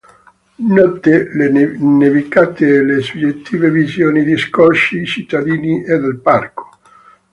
Note le nevicate e le suggestive visioni di scorci cittadini e del parco.